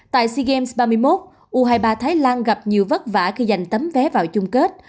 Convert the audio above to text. tại sea games ba mươi một u hai mươi ba thái lan gặp nhiều vất vả khi giành tấm vé vào chung kết